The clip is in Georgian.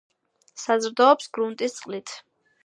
საზრდოობს გრუნტის წყლით.